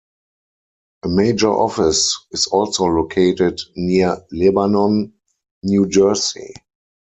A major office is also located near Lebanon, New Jersey.